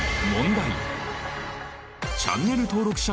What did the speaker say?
チャンネル登録者